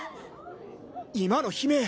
・今の悲鳴。